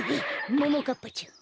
ももかっぱちゃん